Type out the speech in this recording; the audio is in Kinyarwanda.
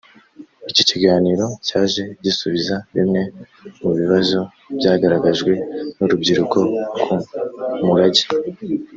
iki kiganiro cyaje gisubiza bimwe mu bibazo byagaragajwe n’urubyiruko ku murage